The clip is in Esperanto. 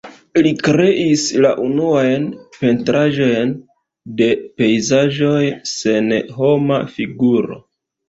Li kreis la unuajn pentraĵojn de pejzaĝoj sen homa figuro.